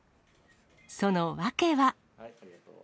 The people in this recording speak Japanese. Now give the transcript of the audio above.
その訳は。